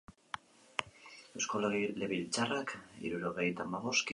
Eusko Legebiltzarrak hirurogeita hamabost kide ditu.